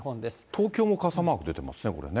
東京も傘マーク出てますね、これね。